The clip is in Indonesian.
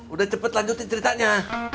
udah cepet lanjutin ceritanya